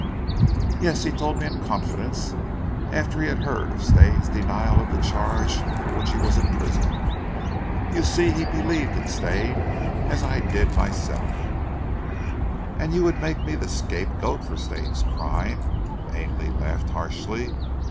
"Yes, he told me in confidence, after he had heard of Stane's denial of the charge for which he was imprisoned. You see he believed in Stane, as I did myself " "And you would make me the scapegoat for Stane's crime." Ainley laughed harshly.